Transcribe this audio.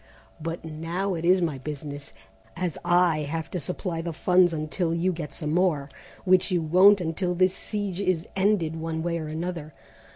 But now it is my business, as I have to supply the funds until you get some more, which you won't until the siege is ended one way or another.